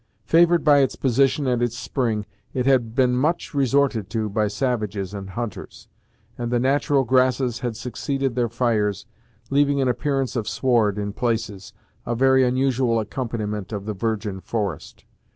Favoured by its position and its spring, it had been much resorted to by savages and hunters, and the natural grasses had succeeded their fires, leaving an appearance of sward in places, a very unusual accompaniment of the virgin forest.